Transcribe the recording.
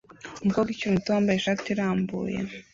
umukobwa ukiri muto wambaye ishati irambuye